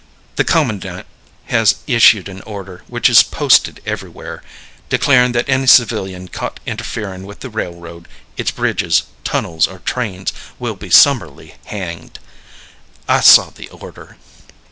The commandant has issued an order, which is posted everywhere, declaring that any civilian caught interfering with the railroad, its bridges, tunnels, or trains, will be summarily hanged. I saw the order."